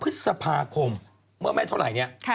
พฤษภาคมเมื่อไม่เท่าไหร่เนี่ย